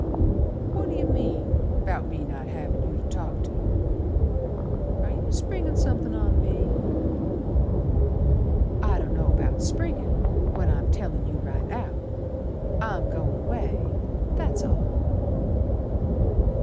"What do yer mean 'Bout me not havin' you to talk to? Are yer springin' somethin' on me?" "I don't know 'bout springin' When I'm tellin' you right out. I'm goin' away, that's all."